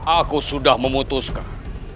aku sudah memutuskan